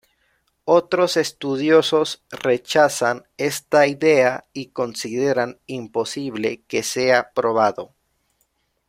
Otros estudiosos rechazan esta idea y consideran imposible que sea probado.